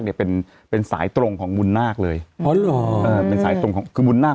ทำขนมไทยอร่อยมาก